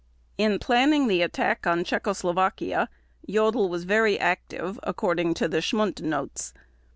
In planning the attack on Czechoslovakia, Jodl was very active, according to the Schmundt Notes.